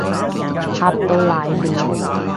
嚇到瀨尿